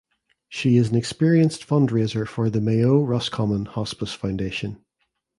She is an experienced fundraiser for the Mayo Roscommon Hospice Foundation.